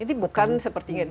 ini bukan seperti hph ya beda ya